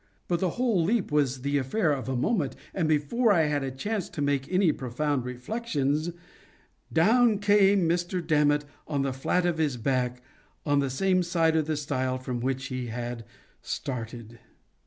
But the whole leap was the affair of a moment, and, before I had a chance to make any profound reflections, down came Mr. Dammit on the flat of his back, on the same side of the stile from which he had started.